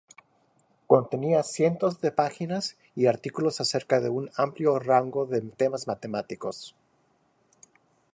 Contenía cientos de páginas y artículos acerca de un amplio rango de temas matemáticos.